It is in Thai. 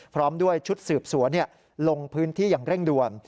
พร้อมด้วยชุดสืบสวนลงพื้นที่อย่างเร่งด่วน